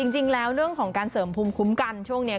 จริงแล้วเรื่องของการเสริมภูมิคุ้มกันช่วงนี้